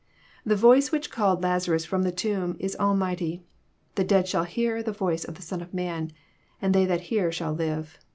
The voice which culled Lazarus ftom the tomb is almighty. *' The dead shall hear the voice of the Son of Man, and they that hear shall live."